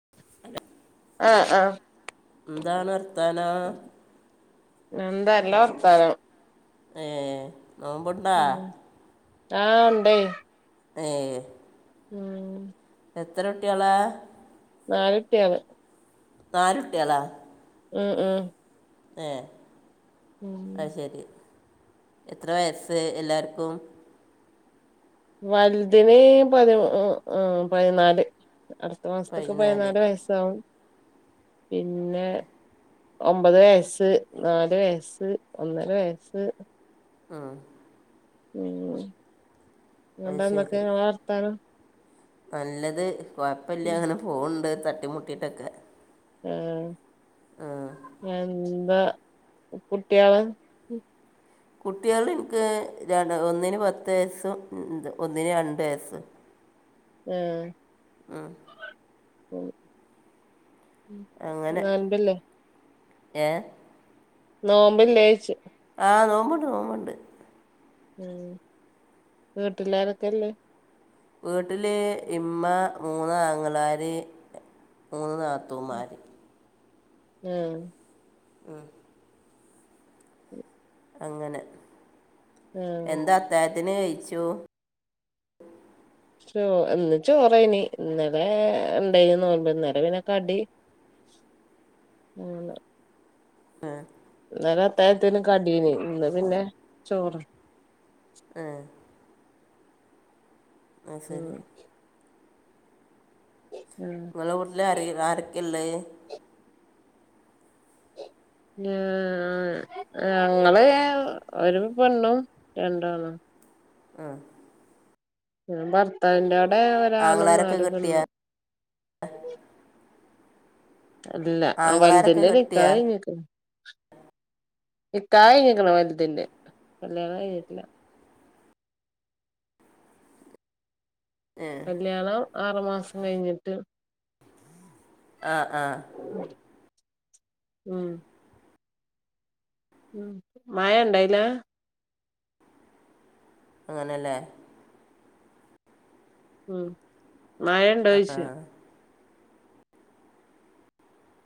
[unintelligible] ആഹ് ആഹ് എന്താണ് അർഥാന എന്തല്ല വർത്താനം ഏഹ് നോമ്പ്ണ്ട ഉമ് ആഹ് ണ്ടേ ഏഹ് ഉം എത്ര ട്ടിയള നാലുടിയാള് നാലുട്ടിയാള ഉം ഉം ഏഹ് ഉം അത് ശരി എത്ര വയസ്സ് എല്ലാർക്കും വലുതിന് പതി പതിനാല് അടുത്ത മാസത്തൊക്കെ പതിനാല് വയസ് പിന്നെ ഒമ്പത് വയസ്സ് നല് വയസ്സ് ഒന്നര വയസ്സ് ആഹ് ഉമ് അത് അണ്ടന്നൊക്കെ ശരി ഞളെ വർത്താനം നല്ലത് കൊഴപ്പില്ല അങ്ങനെ പോവണ്ട് തട്ടിമുട്ടിട്ടൊക്കെ ആഹ് എന്താ കുട്ടിയാള് കുട്ടിയള് ഇനിക്ക് ര ഒന്നിന് പത്ത് വയസ്സും ഒന്നിന് രണ്ട് വയസ്സും ഉം മ് അങ്ങനെ ഏഹ് നോമ്പില്ലേച്ച ആഹ് നോമ്പുണ്ട് നോമ്പുണ്ട് ഉം വീട്ടിലാരൊക്കെല്ലേ? വീട്ടില് ഇമ്മ മൂന്നാങ്ങളാർ മൂന്ന് നാത്തൂമാർ ആഹ് ഉം അങ്ങനെ എന്താ ആഹ് അത്തായത്തിന് കഴിച്ചു ച്ചോ എന്ന് ചോറേനി ഇന്നലെ ഉണ്ടായിന്ന് നോമ്പ് ഇന്നലെ പിനെക്കടി [unintelligible] ആഹ് ഇന്നലെ അത്തായത്തിനന് കടീന് ഇന്ന് പിന്നെ ചോറ് ഏഹ് ആഹ് ഉം ശരി ഉം ഇങ്ങളെവിട്ടില് അരെ ആരക്കള്ളെ ഞാ ഞങ്ങള് ഒരു പെണ്ണും രണ്ടാണും ഉം ഞാന് ഭർത്താവ്ന്റെടെ ഒരാണും ആങ്ങളാരൊക്കെ നാല് കിട്ടിയ പെണ്ണും അല്ല ആഹ് വൽത് ആങ്ങളാരൊക്കെ ന്റെ കിട്ടിയ നികാഹ്കഴിഞ്ക് നിക്കാഹ് യ്ഞ്ക്ക്ണ് വലുതിന്റെ കല്യാണം കഴിഞ്ഞിട്ടില്ല ഏ കല്യാണം ആറു മാസം കഴിഞ്ഞിട്ട് ആഹ് ആഹ് ഉം ഉം മയ ണ്ടായിലെ അങ്ങനെല്ലേ ഉം മയ ആ ഉണ്ടോയ്ച്ച ആ.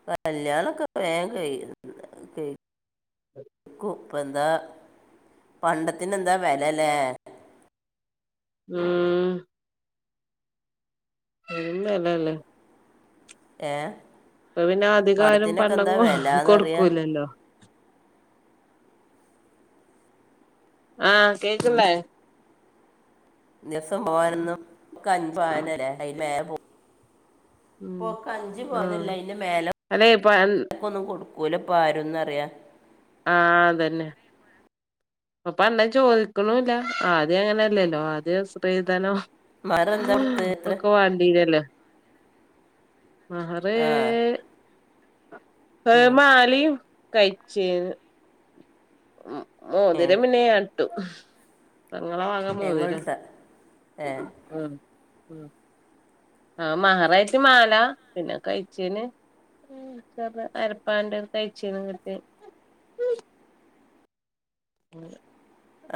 കല്യാണം ഒക്കെ വേം കയ്യും ക്കും എന്താ പണ്ടത്തിന് എന്താ വെല ലേ ഉം പെരും വെലല്ലേ ഏഹ് ഇപ്പൊ പിന്നെ അധികം ആരും പണ്ടം വില എന്നറിയാ കൊടുക്കൂല്ലല്ലോ ആഹ് കേക്ൻലേ ദിവസം പോവാനൊന്നും [unintelligible] ഇപ്പോ ഉം ഒക്കെ അഞ്ചു ആഹ് പവനല്ലേ അയ്ന്റെ അല്ലെ പ മേലക്കു ഒന്നും കൊടുക്കൂല പ്പോ ആരുംന്നറിയ ആഹ് അതന്നെ പ്പൊ പണ്ണേ ചോദിക്കുണൂല്ല ആദ്യം അങ്ങനെയല്ലല്ലോ ആദ്യം സ്ത്രീധനം മാറെന്താ കൊടുത്ത് എത്ര പൊക്കെ വാണ്ടീനല്ലോ മഹറ് ആ ഒരു മാലയും കൈ ചെയിനും ഉം ഏ മോതിരം പിന്നെ ഞാൻ ഇട്ടു പെങ്ങളാ വക മോതിരം എങ്ങോട്ട ഏ അഹ് ആഹ് മഹറായിട്ട് മാലാ പിന്നെ കൈ ചെയിന് ഉം തന്നെ അരപ്പവന്റെ ഒരു കൈ ചെയിനും കിട്ടി [unintelligible]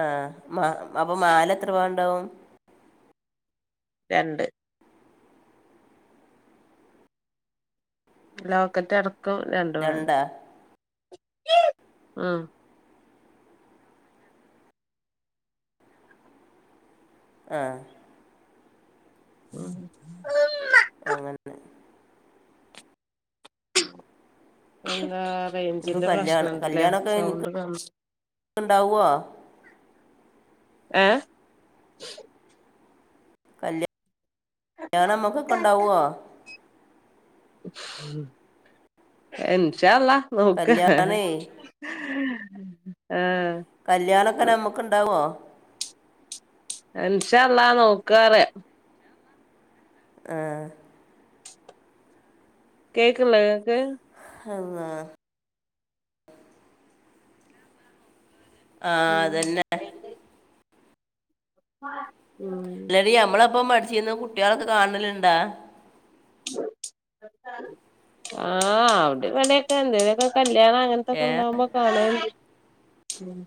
ആഹ് മാ അപ്പൊ മാല എത്ര പവൻ ണ്ടാവും രണ്ട് ലോക്കറ്റ് അടക്കം രണ്ട് പവൻ രണ്ടാ ഉം ആഹ് ഉം അങ്ങൻ എന്താ ഇപ്പം റേഞ്ചിന്റെ കല്യാണം പ്രശ്നണ്ട്ല്ലേ സൗണ്ട് ക ണ്ടാവോ? ഏഹ് കല്ല് ല്ല്യാണം മ്മക്കൊക്കെ ണ്ടാവോ? ഉം ഇൻഷാ അള്ളാ നോക്ക് കല്യാണേ ആഹ് കല്യാണൊക്കെ നമ്മക്ക് ണ്ടാവോ? ഇൻഷാ അള്ളാ നോക്കാറ്യ ആഹ് കേക്ക്ള്ളേ ക്ക് അള്ളാ ആഹ് ഉം അതന്നെ ഉം ല്ലടി നമ്മളപ്പം പഠിച്ചിര്ന്ന കുട്ട്യളക്കെ കാണല്ണ്ടാ? ആഹ് അഒടെ ഇവടെക്കെ എന്തേലൊക്കെ കല്യാണം അങ്ങൻ ക്കെ ഏ ണ്ടാകുമ്പോ കാണാറുണ്ട് ഉം.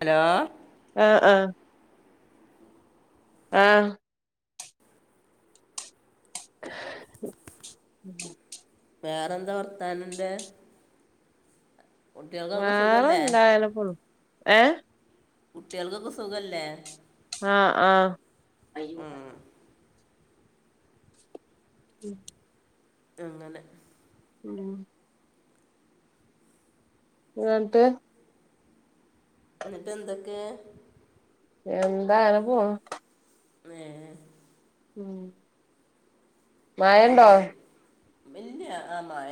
ഹലോ? ആഹ് ആഹ് ആഹ് ഉ [unintelligible] ഉം [inaudible] വേറെന്താ വർത്താന ൻ്റെ? വേറെ സുഖമല്ലേ ന്തായാലും [unintelligible] ഏഹ് കുട്ട്യൾക്കൊക്കെ സുഖല്ലേ? ആഹ് ആഹ് ഉം, ഉം അങ്ങനെ. ഉം ന്നട്ട് ന്ന്ട്ട് എന്തൊക്കെ? എന്താ അനപ്പോണു. ഏഹ് ഉം മഴണ്ടോ അങ്ങനെ ബെല്ല്യ ആ മഴ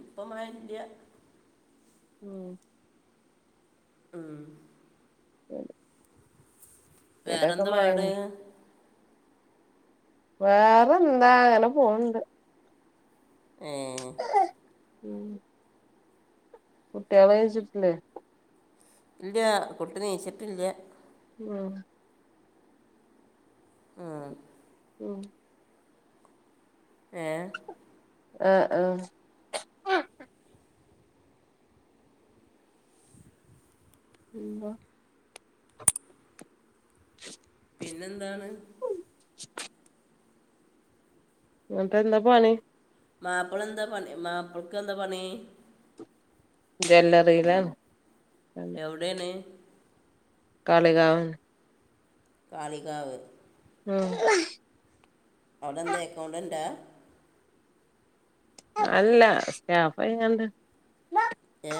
ഇപ്പമഴല്ല്യ. ഉം ഉം [unintelligible] ഇവിടൊക്കെ വേറെന്താ പാട്? മഴന്നെ വേറെന്താ ങ്ങനെ പോവ്‌ണ്ട്. ഏഹ് ഉം കുട്ട്യേള് ചുര്ത്ത്ല്ലെ ഇല്ല്യ കുട്ടി നീച്ചിട്ടില്ല. വാഹ് ആഹ് ലോ ഏഹ് ആഹ് ആഹ് എന്താ? പിന്നെന്താണ്? ഇന്നെട്ടെന്താ പണി മാപ്പിള എന്താ പണി മാപ്പിൾക്ക് എന്താ പണി? ജ്വല്ലറിയിലാ എവിടെയാണ് കാളികാവ കാളികാവ് ഉം അവ്‌ടെന്താ എക്കൗണ്ടന്റാ? അല്ല സ്റ്റാഫായിക്കാണ്ട്. ഏ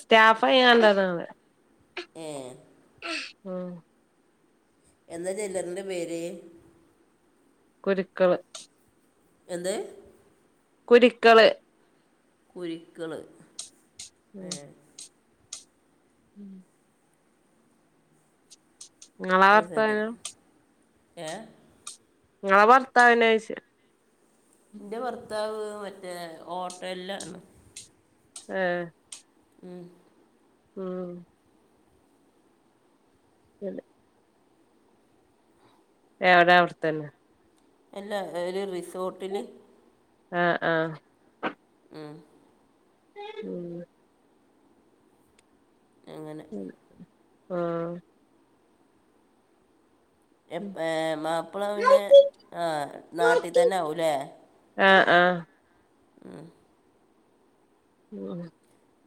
സ്റ്റാഫ്ആയികണ്ടാവിടെ ഏ ഉം എന്താ ജ്വല്ലറിന്‍റെ പേര്? കുരിക്കള് എന്ത്? കുരിക്കള് കുരിക്കള് ഏ ഉം ഇങ്ങളെ അഹ് സെരി ഭർത്താവിനോ ഏ, ഇങ്ങളെ ഭർത്താവിനോയ്ച്ച ഇന്റെ ഭർത്താവ് മറ്റേ ഓട്ടൽലാണ് ഏഹ് ഉം ഉം [inaudible] എവിടെ അവിടെത്തന്നെ എല്ലാ ഒരു റിസോർട്ടിൽ ആഹ് ആഹ ഉം ഉം അങ്ങനെ ആഹ എ മാപ്പിള പിന്നെ ആ നാട്ടിൽ തന്നെ ആകല്ലേ ആഹ ആഹ ആഹ് ഉം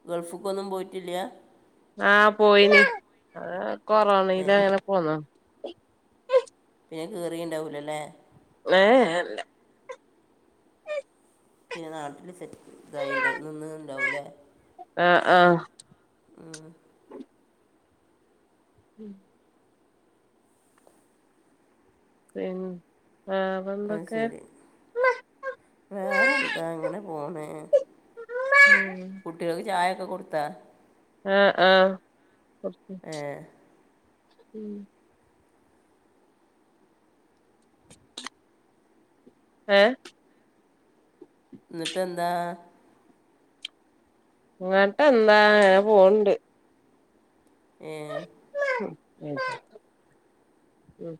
ഗൾഫക്കൊന്നും പോയിട്ടില്ല ആഹ പോയിന് അ ഏ കൊറോണയില അങ്ങനെ പോന്നോ പിന്നെ കയറിയ ഉണ്ടാവൂലല്ലേ ഏഹ്ഹ് പിന്നെ നാട്ടിൽ സെറ്റ് ഇതായി ഉണ്ടാവും നിന്ന ഉണ്ടാവില്ലേ ആഹ ആഹ ഉം ഉം ഉം ആഹ ആഹ ശരി വേറെ എന്താ ഇങ്ങനെ പോണ് ഉം കുട്ടികൾക്ക് ചായക്കെ കൊടുത്ത ആഹ് ആഹ് ക്കെ ഏ ഉം ഏ ന്നിട്ട് എന്താ ഇങ്ങോട്ട് എന്താ പോണ്ട് ഏ ഉം ഉം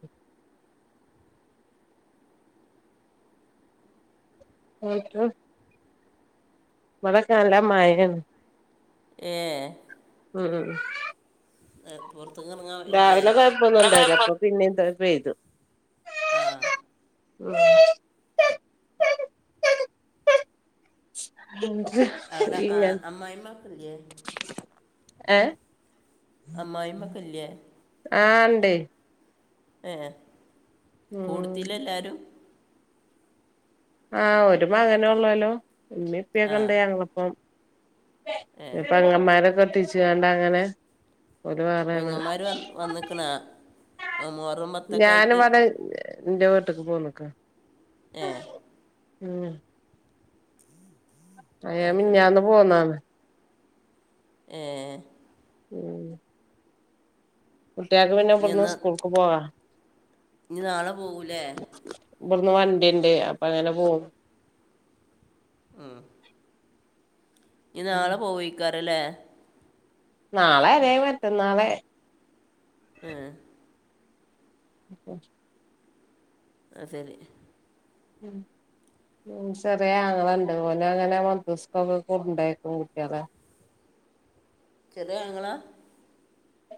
[unintelligible] ഇവടെ ഒക്കെ നല്ല മയാണ് ഏ ഉം ഉം ഉം പുറത്തക്കറങ്ങ രാവിലെ കുഴപ്പൊന്നും ഉണ്ടായില്ല അപ്പൊ പിന്നെ എന്താ പെയ്തു ആഹ് ഉം [unintelligible] അവിടെ ആ, അമ്മായിമ്മക്കില്ലേ ഏ അമ്മയ്മ ക്കില്ലേ ആണ്ട് ഏഹ് ഉം കൂടുത്തില്ല എല്ലരും ആഹ് ഒരു മകനെ ഒള്ളല്ലോ ഉമ്മം ആ ഇപ്പൊക്കണ്ട് ഞങ്ങളപ്പം ഏ പെങ്ങന്മാരെ കെട്ടിച്ച് കണ്ട അങ്ങനെ ഓല് വേറേണ് പെങ്ങന്മാർ വ വന്നിക്ണ [unintelligible] ഞാനുവടെ ൻ്റെ വീട്ടക്ക് പോന്നക്ക ഏ ഉം അയ അത് ശരി മിന്നാന്ന് പോന്നതാണ് ഏ ഉം കുട്ട്യാൾക്ക് പിന്നെ ഇനി ഇവിടുന്ന് എന്നാ സ്കൂൾക്ക് പോവാ ഇനി നാളെ പോകൂലേ ഇവടന്ന് വണ്ടിണ്ട് അപ്പൊ അങ്ങനെ പോകും ഉം ഇനി ഉം നാളെ പോവയിക്കാറല്ലേ നാളെ അല്ലെ മറ്റന്നാളെ ആഹ് [unintelligible] ആഹ് ശരി ഉം ചെറിയ ആങ്ങളണ്ട്, ഓൻ ആവുമ്പോ മദ്രസ്സകൊക്കെ കൊണ്ടാകും കുട്ട്യാളെ ചെറിയ ആങ്ങള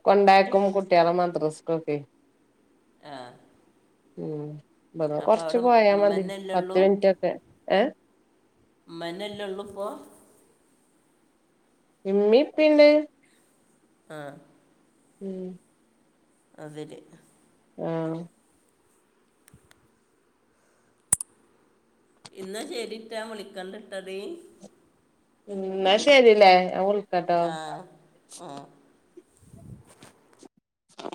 കൊണ്ടാക്കും കുട്ട്യാളെ മദ്രസക്കൊക്കെ. ആഹ് ഉം, ഇവടുന്ന് കൊറച്ച് പോയാ മതി, ഉമ്മന്നല്ലേ ഉള്ളൂ പത്ത് മിനിറ്റൊക്കെ ഏ ഉമ്മന്നല്ലെ ഉള്ളൂ ഇപ്പോ ഇമ്മി ഇപ്പണ്ട് ആഹ് ഉം അതില് ആഹ് ഇന്ന ശരിട്ടാ ഞാ വിളിക്കണ്ടിട്ട തേ എന്നന്നാ ശരില്ലേ ഞാ വിളി ആഹ് ആഹ് ആ